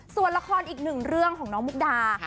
ส่วนละครอีกหนึ่งเรื่องของน้องมุกดา